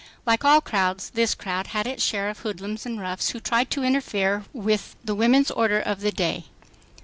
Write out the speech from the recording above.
Like all crowds, this crowd had its share of hoodlums and roughs who tried to interfere with the women's order of the day.